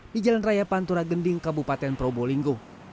di jalan raya pantura gending kabupaten probolinggo